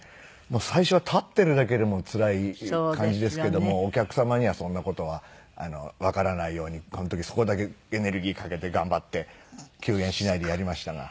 最初は立っているだけでもつらい感じですけどもお客様にはそんな事はわからないようにその時そこだけエネルギーかけて頑張って休演しないでやりましたが。